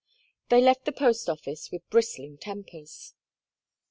They left the post office with bristling tempers.